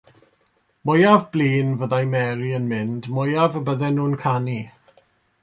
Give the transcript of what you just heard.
Mwyaf blin fyddai Mary yn mynd, mwyaf y bydden nhw'n canu.